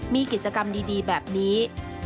มีกิจกรรมดีแบบนี้